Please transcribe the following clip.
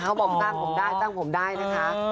เขาบอกตั้งผมได้ตั้งผมได้นะคะ